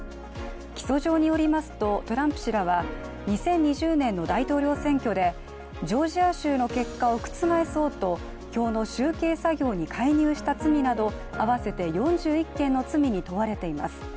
起訴状によりますと、トランプ氏らは２０２０年の大統領選挙でジョージア州の結果を覆そうと票の集計作業に介入した罪など合わせて４１件の罪に問われています。